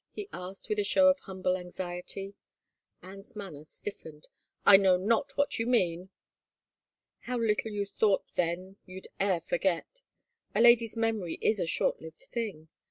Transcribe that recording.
" he asked with a show of hvmible anxiety. Anne's manner stiffened. " I know not what you mean." " How little you thought then you'd e'er forget !... A lady's memory is a short lived thing!